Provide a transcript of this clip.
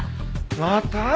また！？